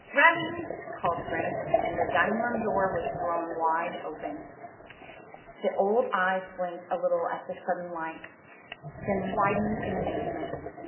"Ready!" called Frank, and the dining room door was thrown wide open. The old eyes blinked a little at the sudden light, then widened in amazement.